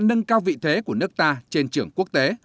nâng cao vị thế của nước ta trên trường quốc tế